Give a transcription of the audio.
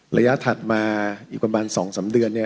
ระยะถัดมาอยู่ประมาณ๒๓เดือน